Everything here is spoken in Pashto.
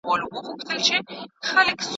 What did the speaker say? ایا څېړنه د وخت مدیریت غواړي؟